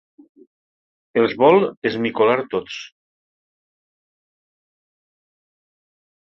Els vol esmicolar tots.